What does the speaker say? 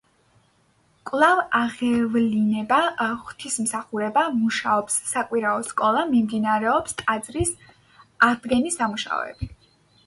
ქალაქში დროებით ტაძარში კვლავ აღევლინება ღვთისმსახურება, მუშაობს საკვირაო სკოლა, მიმდინარეობს ტაძრის აღდგენის სამუშაოები.